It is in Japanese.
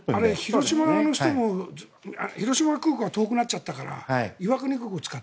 広島の人も広島空港は遠くなっちゃったから岩国空港を使って。